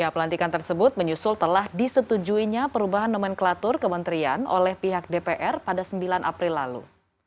pelantikan tersebut menyusul telah disetujuinya perubahan nomenklatur kementerian oleh pihak dpr pada sembilan april lalu